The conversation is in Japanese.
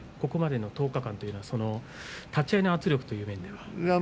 ここまでの１０日間の相撲立ち合いの圧力という面では。